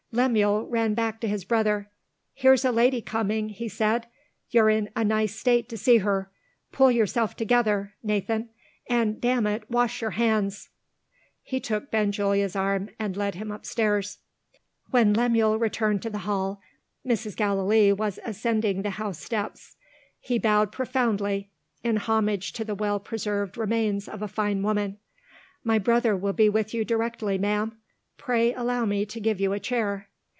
Lemuel ran back to his brother. "Here's a lady coming!" he said. "You're in a nice state to see her! Pull yourself together, Nathan and, damn it, wash your hands!" He took Benjulia's arm, and led him upstairs. When Lemuel returned to the hall, Mrs. Gallilee was ascending the house steps. He bowed profoundly, in homage to the well preserved remains of a fine woman. "My brother will be with you directly, ma'am. Pray allow me to give you a chair."